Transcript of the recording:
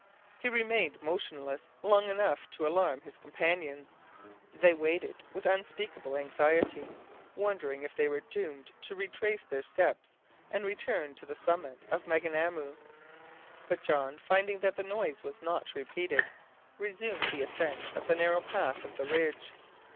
He remained motionless long enough to alarm his companions. They waited with unspeakable anxiety, wondering if they were doomed to retrace their steps, and return to the summit of Maunganamu. But John, finding that the noise was not repeated, resumed the ascent of the narrow path of the ridge.